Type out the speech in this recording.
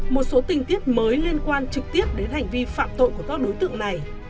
một số tình tiết mới liên quan trực tiếp đến hành vi phạm tội của các đối tượng này